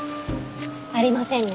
ありませんね。